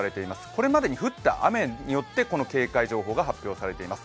これまでに降った雨によって警戒情報が発表されています。